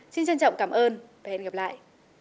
xin trân trọng cảm ơn và hẹn gặp lại